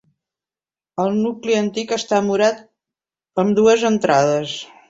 El nucli antic està murat amb dues entrades.